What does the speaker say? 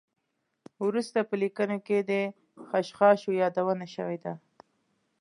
وروسته په لیکنو کې د خشخاشو یادونه شوې ده.